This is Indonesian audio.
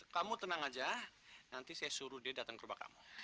kamu tenang aja nanti saya suruh dia datang ke rumah kamu